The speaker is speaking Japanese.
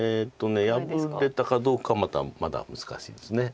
破れたかどうかはまだ難しいです。